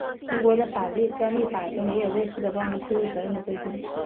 中国的专利法中也有类似的关于披露责任的规定。